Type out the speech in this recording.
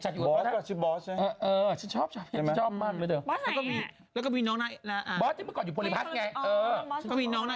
เหมือนหวง